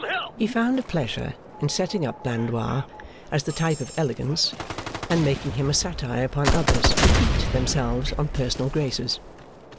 He found a pleasure in setting up Blandois as the type of elegance, and making him a satire upon others who piqued themselves on personal graces.